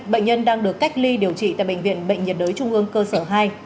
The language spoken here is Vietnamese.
bệnh nhân đang được cách ly điều trị tại bệnh viện bệnh nhiệt đới trung ương cơ sở hai